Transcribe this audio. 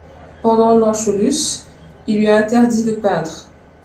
Pendant l'Anschluss, il lui est interdit de peindre.